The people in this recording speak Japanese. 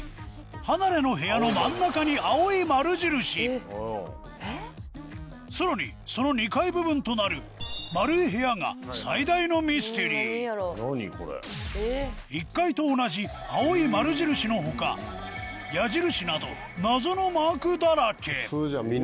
離れの部屋の真ん中に青い丸印さらにその２階部分となる丸い部屋が最大のミステリー１階と同じ青い丸印の他矢印など謎のマークだらけ！